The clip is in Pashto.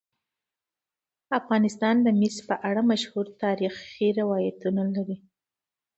افغانستان د مس په اړه مشهور تاریخی روایتونه لري.